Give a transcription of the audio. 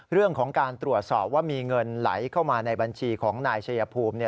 เรื่องของการตรวจสอบว่ามีเงินไหลเข้ามาในบัญชีของนายชายภูมิ